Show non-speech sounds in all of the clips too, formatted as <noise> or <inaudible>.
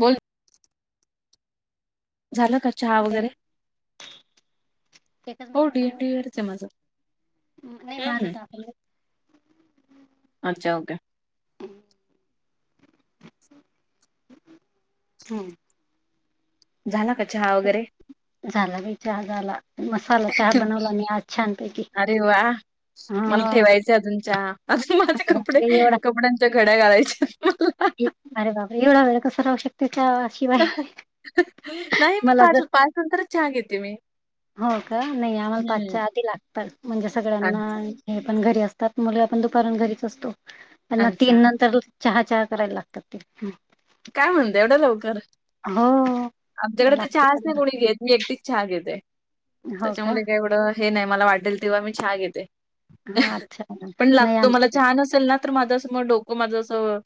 बोल झालं का चहा वगैरे एकच हो मिनटात डीएनडीवरच आहे माझं थांबा नाही माझं हम्म टाकलं अच्छा ओके हम्म. झाला का चहा वगैरे झाला का चहा झाला मसाला चहा बनवला नाही आज छानपैकी अरे वा मला हा ठेवायचं अजूनच्या अजून माझे अरे कपडे बापरे एवढा कपड्यां च्या खड्या घालायच्या बरे बाबा एवढा वेळ कस रावू शकते. शिवाय नाही मी मला जर पाच पाच नंतरच चहा घेते मी हो का नाही आम्हाला हम्म पाचच्या आधी लागतात म्हणजे सगळ्यांना अच्छा हे पण घरी असतात मुग आपण दुपार घरीच असतो त्यांना अच्छा तीन नंतर चहा चार यला लाकते ह काय म्हणत एवढं लवकर हो आमच्याकडे तर लागत चहाचं नाही कोणी घ मी ती चहा घेते हो का त्याच्यामुळे काय एवढं हे नाही मला वाटेल तेव्हा मी चहा घेते हा अच्छा पण नाही लागतो मला आमच्याकडे छान असेल ना तर माझं असं म डोकं माझं असं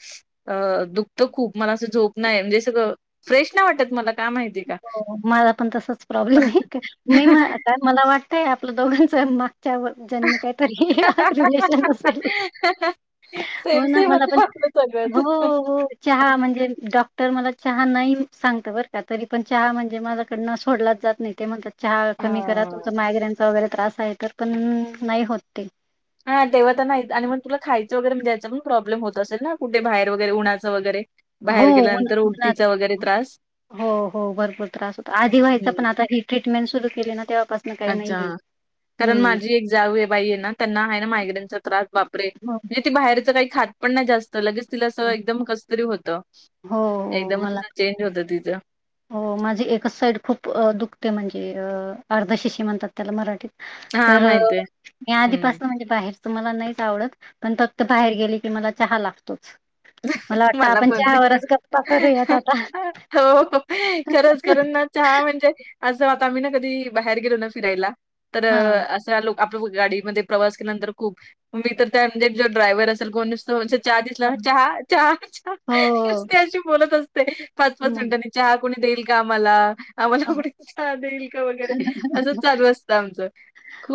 अ दुखतं खूप. मला असं झोप नाही म्हणजे सगळं, फ्रेश नाही वाटत मला का माहिती का? हो मला पण तसाच प्रॉब्लेम आहे, मी <unintelligible> मला वाटतंय आपलं दोघांच मागच्यावर जन्म काहीतरी रिलेशन अससेल <inaudible> हो सेम ना सेमच मला पण, वाटलं हो सगळंच. हो. चहा म्हणजे, डॉक्टर मला चहा नाही सांगत बरं का तरी पण चहा म्हणजे माझ्याकडनं सोडलाच जात नाही, ते म्हणतात चहा कमी करा हां. तुमचा मायग्रेन वगैरे त्रास आहे, तर पण नाही होत ते. हा तेव्हा तर नाहीच, आणि मग तुला खायचं वगैरे पण म्हणजे याचा पण प्रॉब्लेम होत असेल ना, कुठे बाहेर वैगरे उन्हाचं वगैरे? हो बाहेर गेल्यानंतर उन्हात, उलटीचा वगैरे त्रास? हो हो भरपूर त्रास होता आधी व्हायचा पण हं. आता ट्रीटमेंट सुरू केली ना तेव्हापासून काही अच्छा. नाहीय. कारण माझी एक जाऊ आहे बाई आहे ना, त्यांना आहे ना मायग्रेनचा त्रास बापरे! हो, ती बाहेरचं काही खात पण नाही जास्त लगेच तिला असं हो, एकदम कसतरी होतं. हो, हो एकदमच मला असं चेंज होतं तिचं. हो माझी एकच साईड खूप दुखते म्हणजे, अ अर्धशिशि म्हणतात त्याला मराठीत. हां, तर अ माहिती आहे. मी हं. आधीपासून म्हणजे बाहेर मला नाहीच आवडत, पण फक्त बाहेर गेली की मला चहा लागतोच. मला वाटतं आपण चहा वरच गप्पा करूयात आता. हो खरंच करून ना चहा म्हणजे असं वा आता आम्ही ना कधी बाहेर गेलो ना फिरायला तर हां, अ असा लो आपल्या गाडीमध्ये प्रवास केल्यानंतर खूप, मी तर त्या म्हणजे जो ड्रायव्हर असेल कोण असेल चहा दिसला हां. चहा चहा चहा हो, नुसती अशी बोलत असते, पाच पाच मग मिनट चहा कुणी देईल का मला? अ, आम्हाला कुणी चहा देईल का वगैरे, असंच चालू असतं आमचं.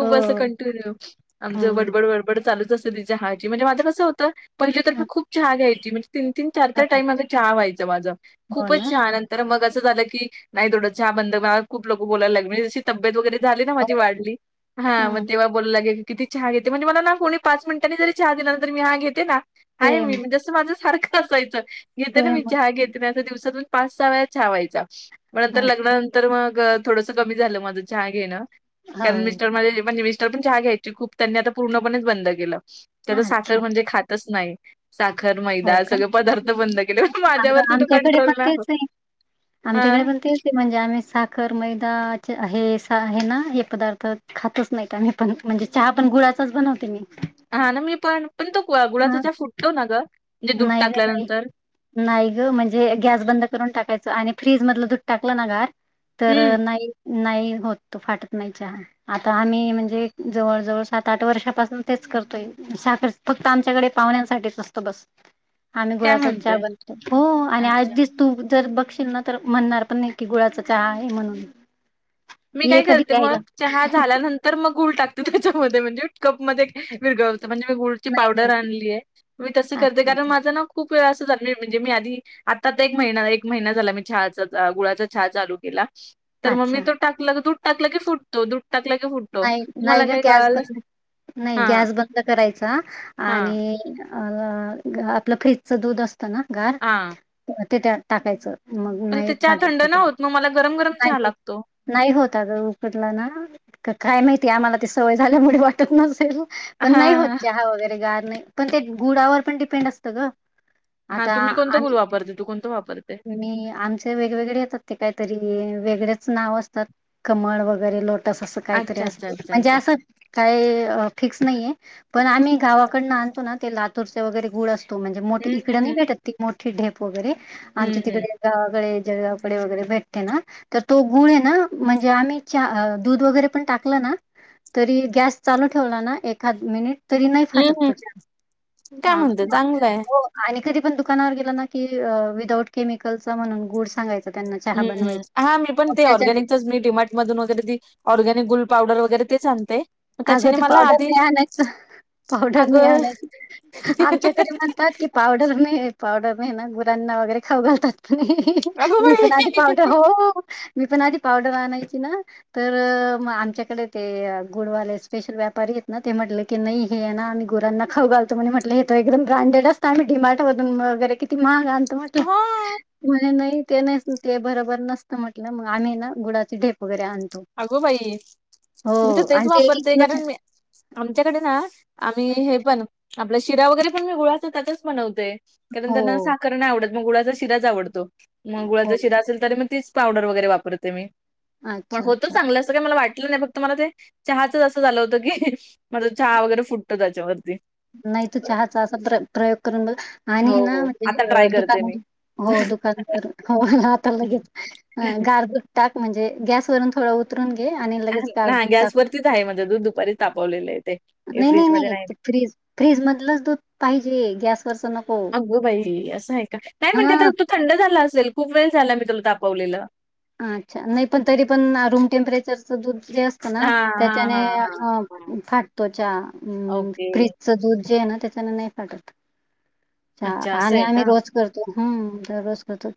हो, असं कंटिन्यू, आमचं बड हं, बड चालू जस ती चहाची, म्हणजे माझं कसं होतं पहिलं तर हं, मी खू चहा घ्यायची, म्हणजे तीन-तीन, हो, चार-चार टाइम माझा चहा व्हायचं माझं हो खूपच ना? छा त्यानंतर मग असं झालं की, नाय थोडं चहा बंद मला खूप लोकं बोलायला लागले, म्हणजे अशी तब्येत वगैरे झाली ना हो, माझी वाढली, हा मग हं. तेव्हा बोलु लागले. किती चहा घेते, म्हणजे मला ना कोणी पाच मिनिटांनी जरी चहा दिला ना तर मी हा घेते ना, आहे सेम, मी म्हणजे असं माझं सारखं असायचं, घेते ना मी सेमच. चहा घेते ना. असं दिवसातून पाच सहा वेळा चहा व्हायचा. पण आता अच्छा, लग्नानंतर मग थोडसं कमी झालं माझं चहा घेणं. कारण मिस्टर माझे, म्हणजे मिस्टर पण चहा घ्यायचे खूप त्यांनी आता पूर्णपणेच बंद केलं. ते आता हो, साखर अच्छा. म्हणजे खातच नाही. साखर, हो मैदा का? सगळे पदार्थ बंद केले पण आ माझ्यावरती तो आमच्याकडे कंट्रोल पण नाही तेच होत. आहे. हां आमच्याकडे पण तेच ते म्हणजे आम्ही साखर, मैदा हे आहे ना, हे पदार्थ खातच नाही मी पण, म्हणजे चहा पण गुळाचाच बनवते मी. हा ना मी पण, पण तो गुळा गुळाचा हां चहा फुटतो ना ग? नाही ग बाई. नाही ग म्हणजे गॅस बंद करून टाकायचं, आणि फ्रीज मधलं दूध टाकलं ना गार तर हम्म नाही, नाही होत, तो फाटत नाही चहा. आता आम्ही म्हणजे, जवळ जवळ सात आठ वर्षापासून तेच करतोय. साखर फक्त आमच्याकडे पाहुण्यांसाठीच असतो बस. आम्ही काय गुळाचाच चहा म्हणते? बनवतो. हो आणि आ अच्छा. तू जर बघशील ना, तर म्हणणार पण नाही की गुळाचा चहा आहे म्हणून. मी ये काय कधी करते प्यायला. मग, चहा झाल्यानं तर मग गुळ टाकते चहामध्ये, म्हणजे कप मध्ये विरघळवते म्हणजे मी गुळ ची नाही पावडर नाही आणली आहे. मी तसं करते अच्छा कारण अच्छा माझा ना खूप वेळ असं झालेलं आहे म्हणजे मी आधी आता तर एक महिना एक महिना झाला, मी चहा गुळाचा चहा चालू केला. तर मग मी अच्छा तो टाकला दूध टाकलं की फुटतो, दूध टाकलं की फुटतो, नाही नाही मला ग काही गॅस कळालंच बंद नाही हां गॅस बंद करायचा हां आणि अ आपलं फ्रीजचं दूध असतं ना गार हां. ते त्यात टाकायचं. मग पण नाही ते चहा थंड फाटत नाय नाही होत म मला गरम गरम चहा होत लागतो. नाही होता अग उकडला ना काय माहितीय आम्हाला ती सवय झाल्यामुळे वाटत नसेल. पण नाही होत हां चहा वगैरे गार नाही पण ते गुडावर पण डिपेंड असतं ग. हा आता तुम्ही कोणतं गुळ वापरते तू कोणतं वापरते. मी आमचे वेगवेगडे येतात ते काहीतरी वेगडेच नाव असतात कमळ वगैरे लोट तसअसं कायतरी अच्छा अच्छा असत अच्छा म्हणजे अच्छा. असं काही फिक्स नाहीये पण आम्ही गावाकडन आणतो ना ते लातूरचे वगैरे गुळ अस तो म्हणजे मोठे हं इकड हं नाही हं. भेटत ती मोठी ढेप वगैरे हं आमच्या हं. तिकडे गावाकडे जळगावकडे वगैरे भेटते ना तर तो गुळ ये ना म्हणजे आम्ही चहा अ दूध वगैरे पण टाकला ना तरी गॅस चालू ठेवला ना एखाद मिनिट तरी नाही हं फाटत हं. पटकण काय हा म्हणते चांगलं आहे. आणि कधी पण दुकानावर गेला ना की अ विदाऊट केमिकलचा म्हणून गुड सांगायचा त्यांना चहा हम्म बनवायचा. हा मी पण मग ते त्याच्याने ऑर्गॅनिकच मी डिमांट मधून वगैरे ती ऑर्गॅनिक गुल पावडर वगैरे तेच आणते. मग अगं त्याच्याने ते मला पावडर आधी नाही आणायचं पावडर नाही अगं आणायच आमच्याकडे म्हणतात कि, पावडर नाही पावडर नाही ना गुरांना वगैरे खाऊ घालतात क नी अगो मी बाई पण आधी पावडर हो मी पण आधी पावडर आणायची ना तर म आमच्याकड ते गुडवाले स्पेशल व्यापारी आहेत ना ते म्हटलं की नही हे हाय ना आम्ही गुरांना खाऊ घालतो म्हणे म्हटलं हे तर एकदम ब्रँडेड अस आम्ही डी मार्ट मधून वगैरे किती महाग आणतो म्हटलं हां, म्हणे नही ते नसणं ते बरोबर नसत म्हटलं मग आम्ही हे ना गुडाची ढेप वगैरे आण अगो बाई! मी तर तेच आणि ते एक एक वापरते किलोचे कारण मी आमच्याकडे ना आम्ही हे पण आपल्या शिरा वगैरे पण मी गुळाच त्याचाच बनवते कारण हो त्यांना साखर नाय आवडत मग गुळाच्या शिराच आवडतो म गुळाचा हो शिरा असेल तरी मग तिच पावडर वगैरे वापरते मी. पण अच्छा होतो अच्छा चांगलं असं काय मला वाटलं नाय फक्त मला ते चहाचच असं झालं होतं की माझा चहा वगैरे फुटत त्याच्यावरती. नाही तू चहाचा असा प्र प्रयोग करून बघ हो, आणि ना हो. आता ट्राय करते दुकान मी. मधून हो दुकानवरून हो आता लगेच गार ग टाक म्हणजे गॅसवरून थोडं उत उतरून घे आणि लगेच गार हां, दूध टाक गॅसवरतीच आहे माझं दूध दुपारी तापवलेलं आहे ते. हे नई नई फ्रिजमध्ये नई नाही. त फ्रीज फ्रीजमधलंच दूध पाहिजे गॅसवरच नको. हो बाई असं आहे का नाय म्हणजे हा आत तो थंड झाला असेल खूप वेळ झाला मी त्याला तापवलेलं. अच्छा नाई पण तरी पण रूम टेम्परेचरचं दूध जे अस ना हां, हां, त्याच्यानी हां, हां, अ हां. फाटतो चहा अं ओके. फ्री ज दूध जे आहे ना त्याच्यांनी नाही फाटत अच्छा असं आणि आहे आम्ही का? रोज करतो हा दररोज करतो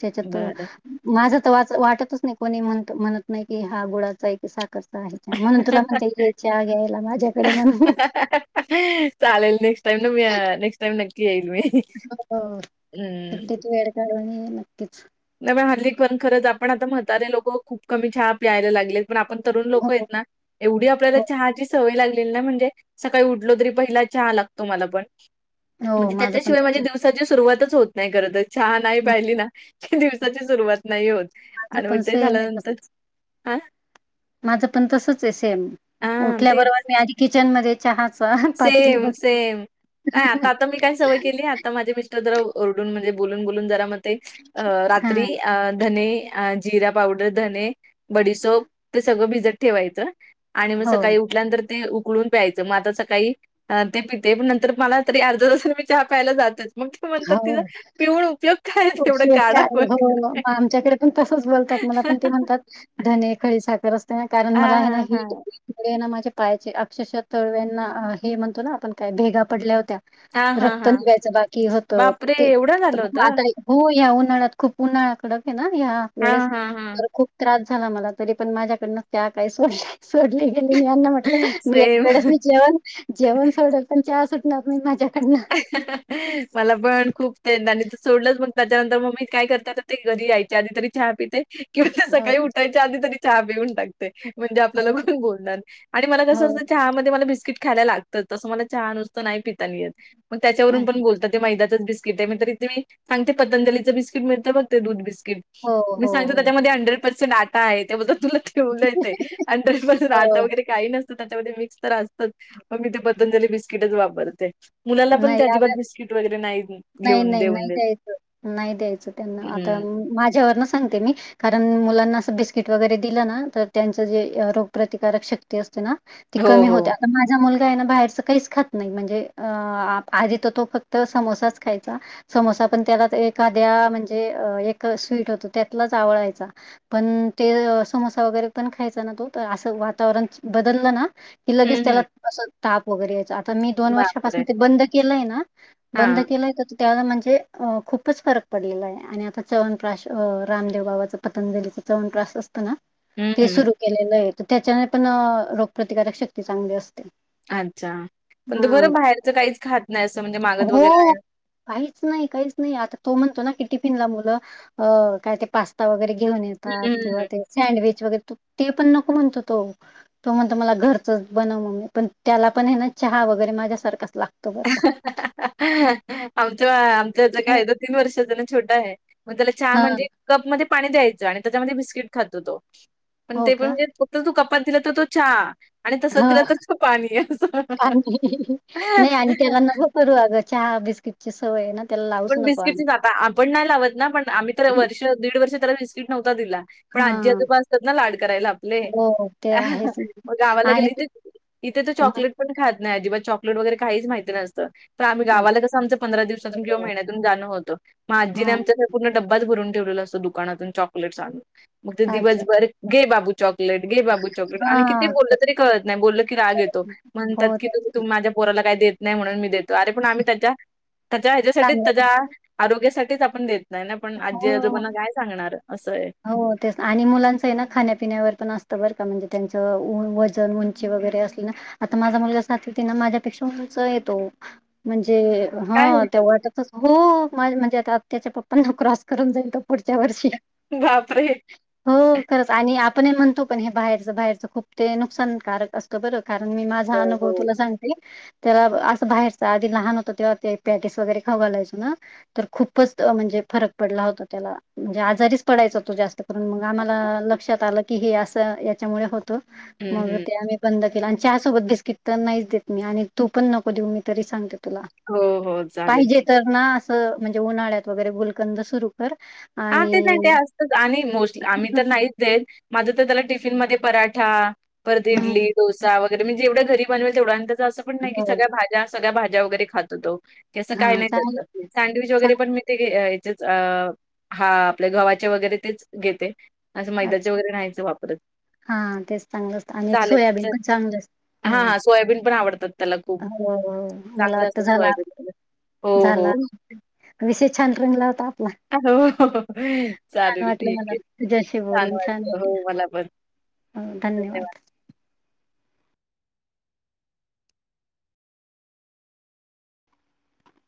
त्याच्यात बरं. माझ वाज वाटतच नाही कोणी म्ह म्हणत नाही कि हा गुळाचा आहे की सा खर चा आहे चहा म्हणून तुला म्हणते ये चहा घ्यायला माझ्याकडे म्हणून चालेल नेक्स्ट टाईम न मी नेक्स्ट टाईम नक्की येईण मी. हो हं. नक्कीच वेड काढून ये नक्कीच. नाय पण हल्ली पण खरंच आपण आता म्हातारे लोक खूप कमी चहा प्यायला लागलेत. पण आपण तरुण लोक आहेत हो. ना एवढी आपल्याला हो, चहाची सवय लागलेली ना म्हणजे सकाळी उठलो तरी पहिला चहा लागतो मला पण हो म्हणजे माझं पण त्याच्याशिवाय माझे त्याच दिव दिवसाची सुरुवातच होत नाही खरत चहा नाही पाहिली ना दिवसाची सुरुवात नाही होत माझं आणि मग पण ते सेम आहे झाल्यानंतर तसं. हा. माझं पण तसच सेम हां, तेच. उठल्याबरोबर मी आधी किचन मध्ये चहा च पातेली सेम, बघते. सेम. आत्ता जरा ओरडून म्हणजे बून बोलून जरा म अ हा रात्री अ धने अ जिरा पावडर धने. बडीसो ते सगळं भिजत ठेवायचं आणि मग हो. सकाळ उ उठल्यानंतर ते उकळून प्यायचं म आता सा काळी काही ते पिते पण नंतर मला तरी अर्ध तसून मी चहा प्यायला जातेच. मग ते म्हणतात तिचा हो. पिऊून उपयोग काय तेवढं उपसुवासच्या काढा हो वगैरे आमच्याकडे पण तसच बोलतात मला पण ते म्हणतात धने खडी साखर असते ना कारण मला हां, आहे ना हां, हीट हां. मु ना माझ्या पायाचे अक्षरशः तळव्यांना हे म्हणतो ना आपण काय भेगा पडल्या होत्या. हां, हां, रक्त हां. निघायचं बाकी होतं बापरे! ते एवढं झालं होतं? आता हो या उन्हाळ्यात खूप उन्हाळा्याकडक आहे ना या् वेळेस हां, हां, हां. <unintelligible> खूप त्रास झाला मला तरी पण माझ्याकडन त्या काय सोडल्या सोडले. तरी लीना म्हटलं मी सेम. वेळेस मी जेवण जेवण सोडल पण सुटणार मी माझ्याकडनं. हा हा मला पण खूप ड <unintelligible> आणि तू सोडलंच मग त्याच्यानंतर मम्मी काय करतात ते कधी यायच्या आधी तरी चहा पिते किंवा हो, सकाळी उठायच्या आधी तरी चहा पिऊन टाकते. ते म्हणजे आपल्याला हो, कोण बोलणार आणि मला कसं हो, असतं चहा मध्ये मला बिस्किट खायला ला त तसं मला चहा नुसत नाही पिताना येत मग त्याच्यावरून आहे. पण बोलतात. मैदाचच बिस्किट आहे तरी त मी सांगते पतजलीच बिस्कटलं बघते दूध बिस्किट हो, म हो, सांगतो हो. त्याच्यामध्ये हंड्रेड पर्सेंट आटा आहे त्याबद्दल तुला ठेवलंते आणि त्याच्यापासून आटा हो, वगैरे काही नसतं त्याच्यामध्ये मिक्स तर असतच. मग मी ते पतंजली बिस्किटच वापरते मुलाला पण नाही ते या अजिबात बिस्किट वगैरे नाही. नाही घेऊन नाही देऊन नाही देत. द्यायचं नाही द्यायचं त्यांना आता हं. माझ्यावर न सांगते मी कारण मुलांना असं बिस्किट वगैरे दिलं ना तर त्यांचं जे रोगप्रतिकारक शक्ती शक्ती असते ना ती हो, कमी हो. होत्या. माझा मुलगा आहे बाहेरच काहीच खात नाही म्हणजे आ आधी तर तो फक्त समोसाच खायचा. समोसा पण त्याला एखाद्या म्हणजे एक स्वीट होतो त्यातलाच आवळायचा. पण ते समोसा वगैरे पण खायचा ना तो तर असं वातावरण बदललं ना कि हं, लगेच त्याला हं. असं ताप वगैरे यायचा आता मी दोन बापरे! वर्षापासून ते बंद केलंय ना बंद हां. केलं. त्याला म्हणजे अ खूपच फरक पडलेला आहे आणि आता चवणपश अ रामदेव बाबाच पतंजलीचा चमन प्राश असतना. हं, ते हं. सुरू केलेलं नाय तर त्याच्याने पण अ रोगप्रतिकारक शक्ती चांगली असते. अच्छा पण त हां. बरं बाहेरचं काहीच खात नाही असं म्हणजे मागत वगैरे हो. आहे. काहीच नाही काहीच नाही आता तो म्हणतो ना की टिफिनला मुलं अ काय ते पास्ता वगैरे घेऊन येतात हं, हं. किंवा ते सँडविच वगैरे त ते पण नको म्हणतो तो. तो म्हणतो मला घरचच बनव मम्मी पण त्याला पण आहे ना चहा वगैरे माझ्यासारखाच ला आमच्या आमच्याचा हो. कायदा तीन वर्षाचाण छोटा आहे <unintelligible> मग त्याला चहा हां. म्हणजे कप मध्ये पाणी द्यायचं आणि त्याच्यामध्ये बिस्किट खातो तो पण हो ते पण का? म्हणजे फत तो कपात दिला तर तो चहा. आणि तसच हो. दिलं तस पाणी अस पाणी नाही आणि त्याला नकं करू अगं चहा बिस्किटची सवय ना त्याला लावूच पण नको आणि बिस्किटच आता आपण नाही लावत ना पण आम्ही तर वर्ष दीड वर्ष त्याला बिस्किट नव्हता दिला. पण आजी हां. आजूबा असतात ना लाड करायला आपले. हो, ते आ ह आहेच मग गावाला आणि गेले ते तीथे इथे तर हां, चॉकलेट पण खात नाही अजिबात चॉक काहीच माहीती नसतं पण आम्ही अच्छा, गावाला कसं आमचं पंधरा दिवस किंवा हो. महिन्यातुन जान होत मी आजीने हां, आमचा पूर्ण डबाच भरून ठेवलेला असतो दुकानातून चॉकलेटस आणून मग ते अच्छा. दिवसभर घे बाबू चॉ चॉकलेट घे बाबू चॉकलेट आणि किती हां, बोललं तेच तरी कळत नाही बोलल की राग येतो. म्हणतात हो, की तुम्ही तेच त माझ्या पोराला काही देत नाही म्हणून मी देतो अरे पण आम्ही त्याच्या त्याच्या ह्याच्यासाठीच चांगलं त्याच्या आरोग्यासाठीच आपण देत नाही ना पण हो, आजीआजोबांना ग सांगणार असं आहे. हो तेच आणि मुलांचं आहे ना खाण्यापिण्यावर पण असतं बरं का म्हणजे त्यांचं वजन उंची वगैरे असली ना आता माझा मुलगा सातवित आहे ना माझ्यापेक्षा उंच येतो म्हणजे काय हा ते वाटतच हो माझ म्हणजे आ आ त्याच्या पप्पांना क्रॉस करून जाईन तो पुढच्या वर्षी बापरे हो खरंच आणि आपण म्हणतो पण हे बाहेरच, बाहेरच खूप ते नुकसान कारक अस बर कारण मी माझा बरं. अनुभव तुला सांगते. त्याला असं बाहेरच आधी लहान होतं तेव्हा ते पेटिस वगैरे खावु घालायचो ना तर खूपच म्हणजे फरक पडला होता त्याला म्हणजे आजारी पडायचा तो जास्त करून मग आम्हाला हो. लक्षात आलं की हे असं याच्यामुळे होतं. हं, मग हं. ते आम्ही बंद केला आणि चहा सोबत बिस्किट तर नाहीच देत मी आणि तू पण नको देऊ मी तरी सांगते तुला. हो हो चालेल. पाहिजे तर ना असं म्हणजे उन्हाळ्यात वगैरे गुलकंद सुरू कर हां, ते नाही ते आणि असतंच आणि मोस्टली आम्ही तर नाहीच देत माझं तर त्याला टिफिन मध्ये पराठा परत हं, इडली, डोसा वगैरे मी जेवढ घरी बनवेल तेवढ अन त्याच असं पण नाही हो सगळ्या भाज्या सगळ्या भाज्या वगैरे खातो तो तस काय हा नाही त्याच चांगलं सँडविच वगैरे पण ते याचेच अ हा आपल्या गव्हाचे वगैरे तेच घेते. असं मैद्याचे चांगलंच वगैरे नहीच वापरत. हा तेच चांगलं असतं आणि एक चालेल. सोयाबीन चल पण चांगलं असतं. हां, हो हां. सोयाबीन पण आवडतात त्याला खूप. हो मला चांगलं वाटत असतं झाला आता. सोयाबीन वगैरे. हो, हो. झाला विषय छान रंगला होता आपला. अ हो. छान चालेल वाटलं ठीक मला आहे तुझ्याशी छान बोलून छान वाटलं हो मला पण वाटलं. हो धन्यवाद.